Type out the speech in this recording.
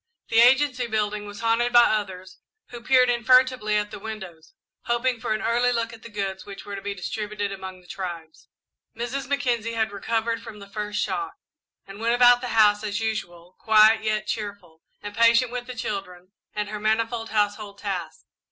The Agency building was haunted by others, who peered in furtively at the windows, hoping for an early look at the goods which were to be distributed among the tribes. Mrs. Mackenzie had recovered from the first shock and went about the house as usual, quiet yet cheerful, and patient with the children and her manifold household tasks.